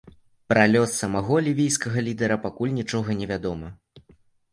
Пра лёс самага лівійскага лідара пакуль нічога невядома.